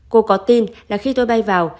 cô có tin là khi tôi bay vào